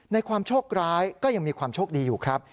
ความโชคร้ายก็ยังมีความโชคดีอยู่ครับ